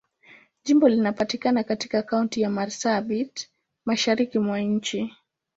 Jimbo linapatikana katika Kaunti ya Marsabit, Mashariki mwa nchi.